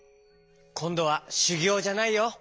こんどはしゅぎょうじゃないよ。